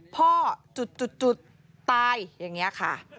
จุดตายอย่างนี้ค่ะ